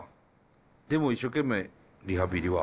でも一生懸命リハビリは。